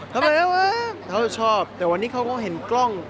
เขาชอบแต่วันนี้เขาก็เห็นกล้อง